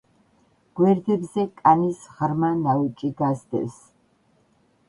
გვერდებზე კანის ღრმა ნაოჭი გასდევს.